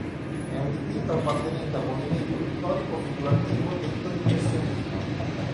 È un dipinto appartenente al movimento pittorico figurativo detto Impressionismo.